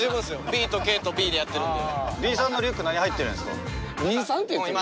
ＢとＫとＢでやってるんで。